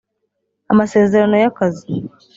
amasezerano y’akazi